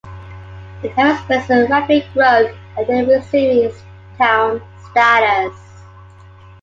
The town experienced rapid growth after receiving its town status.